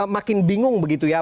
makin bingung begitu ya